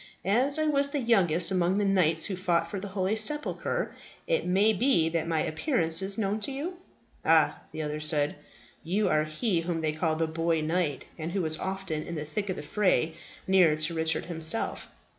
As I was the youngest among the knights who fought for the holy sepulchre, it may be that my appearance is known to you?" "Ah," the other said, "you are he whom they called the Boy Knight, and who was often in the thick of the fray, near to Richard himself.